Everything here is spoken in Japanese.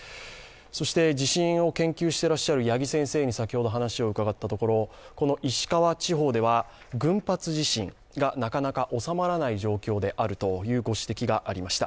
そして地震を研究してらっしゃる八木先生に先ほど話を聞いたところ、この石川地方では群発地震がなかなか収まらない状況であるというご指摘がありました。